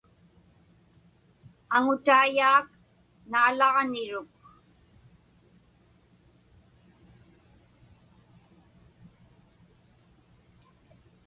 Aŋutaiyaak naalaġniruk.